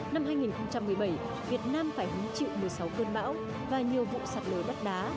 năm hai nghìn một mươi bảy việt nam phải hứng chịu một mươi sáu cơn bão và nhiều vụ sạt lờ đất đá